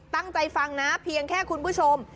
ตั้งใจฟังนะเพียงแค่คุณผู้ชม